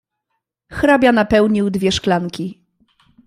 "Hrabia napełnił dwie szklanki."